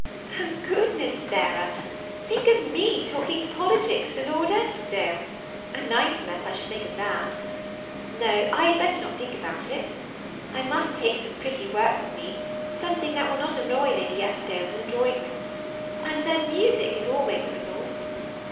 ^'Oh goodness, Sarah 1 think of me talking politics to Lord Eskdale ; a nice mess I should make of that. THE SEMI ATTACHED COUPLE. 71 No, I had better not think about it. I must take some pretty work with me, something that will not annoy Lady Eskdale in the drawing room ; and then music is always a resource.